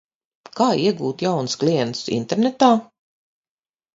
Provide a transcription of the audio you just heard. Kā iegūt jaunus klientus internetā?